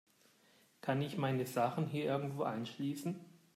Kann ich meine Sachen hier irgendwo einschließen?